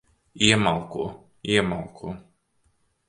Iemalko. Iemalko.